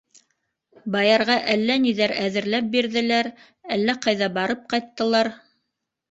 Баярға әллә ниҙәр әҙерләп бирҙеләр, әллә ҡайҙа барып ҡайттылар.